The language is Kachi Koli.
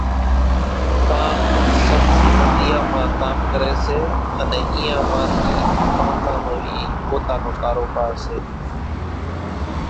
ڪانڪ سٻزِي منڍيان مان ڪام ڪريَ سي، انين اينيان مان ٿِي ڪانڪان نون اِي پوتا نو ڪاروڀار سي۔